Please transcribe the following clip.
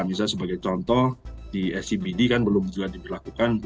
misalnya sebagai contoh di scbd kan belum juga diberlakukan